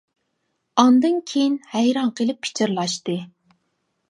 ئاندىن كېيىن ھەيران قېلىپ پىچىرلاشتى.